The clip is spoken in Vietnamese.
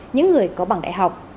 những người có bảng đại học